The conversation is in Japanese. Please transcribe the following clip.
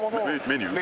メニュー？